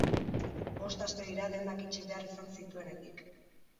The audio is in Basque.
Bost aste dira dendak itxi behar izan zituenetik.